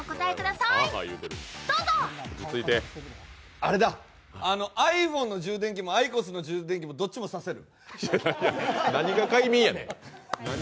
あれだ、ｉＰｈｏｎｅの充電器もｉＱＯＳの充電器もどっちも差せる。